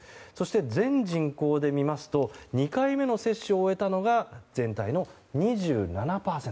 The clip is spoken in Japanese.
全人口で見ますと２回目の接種を終えたのが全体の２７％。